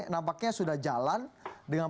nampaknya sudah jalan dengan